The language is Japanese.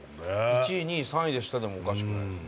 「１位、２位、３位でした」でもおかしくない。